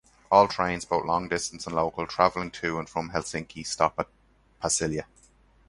All trains, both long-distance and local, travelling to and from Helsinki stop at Pasila.